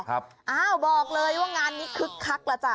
อ้าวบอกเลยว่างานนี้คึกคักแล้วจ้